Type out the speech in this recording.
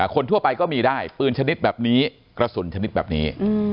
คนทั่วไปก็มีได้ปืนชนิดแบบนี้กระสุนชนิดแบบนี้